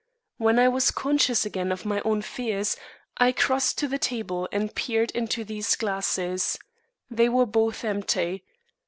When I was conscious again of my own fears, I crossed to the table and peered into these glasses. They were both empty.